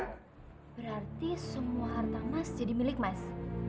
berarti semua harta emas jadi milik mas